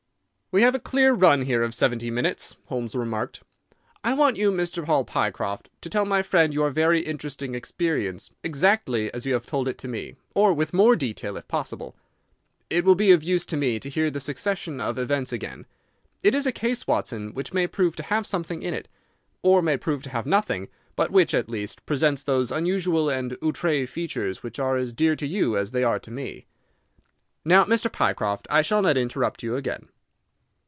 "We have a clear run here of seventy minutes," Holmes remarked. "I want you, Mr. Hall Pycroft, to tell my friend your very interesting experience exactly as you have told it to me, or with more detail if possible. It will be of use to me to hear the succession of events again. It is a case, Watson, which may prove to have something in it, or may prove to have nothing, but which, at least, presents those unusual and outré features which are as dear to you as they are to me. Now, Mr. Pycroft, I shall not interrupt you again."